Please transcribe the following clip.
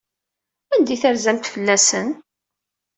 Anda ay terzamt fell-asen?